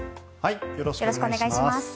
よろしくお願いします。